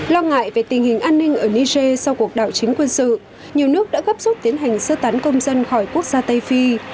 lo ngại về tình hình an ninh ở niger sau cuộc đảo chính quân sự nhiều nước đã gấp rút tiến hành sơ tán công dân khỏi quốc gia tây phi